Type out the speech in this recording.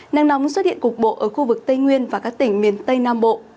nắng nóng xuất hiện cục bộ ở khu vực tây nguyên và các tỉnh miền tây nam bộ